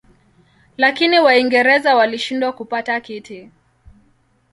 Lakini Waingereza walishindwa kupata kiti.